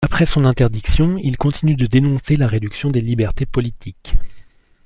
Après son interdiction, il continue de dénoncer la réduction des libertés politiques.